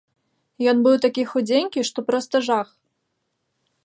Ён быў такі худзенькі, што проста жах!